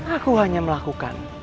aku hanya melakukan